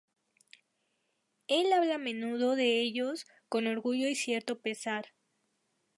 Él habla a menudo de ellos con orgullo y cierto pesar.